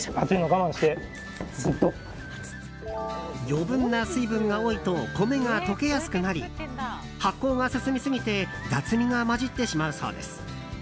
余分な水分が多いと米が溶けやすくなり発酵が進みすぎて雑味が混じってしまうそうです。